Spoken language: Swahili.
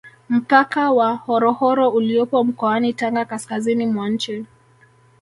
Mpaka wa Horohoro uliopo mkoani Tanga kaskazini mwa nchi